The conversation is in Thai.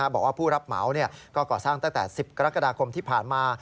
บอกว่าผู้รับเหมาก็ก่อสร้างตั้งแต่๑๐กรกฎาคมที่ผ่านมา